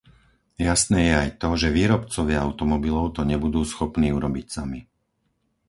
Jasné je aj to, že výrobcovia automobilov to nebudú schopní urobiť sami.